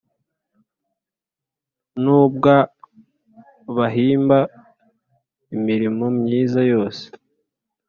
N ubw abahimba imirimo myiza yose